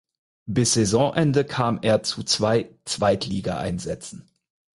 Bis Saisonende kam er zu zwei Zweitligaeinsätzen.